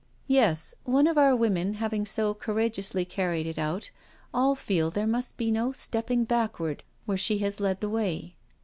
" Yes, one of our women having so courageously carried it out, all feel there must be no stepping back ward where she has led the way."